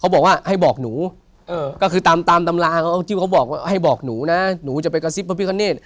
บอกว่าให้บอกหนูก็คือตามตำราเขาที่เขาบอกให้บอกหนูนะหนูจะไปกระซิบพระพิคเนต